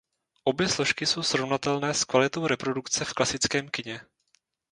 Obě složky jsou srovnatelné s kvalitou reprodukce v klasickém kině.